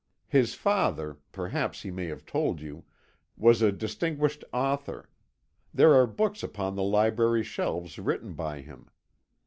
His father, perhaps he may have told you, was a distinguished author; there are books upon the library shelves written by him.